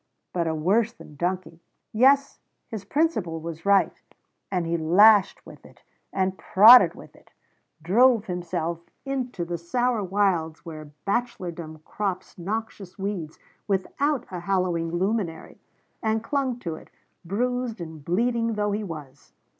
But a worse than donkey. Yes, his principle was right, and he lashed with it, and prodded with it, drove himself out into the sour wilds where bachelordom crops noxious weeds without a hallowing luminary, and clung to it, bruised and bleeding though he was.